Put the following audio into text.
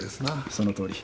そのとおり。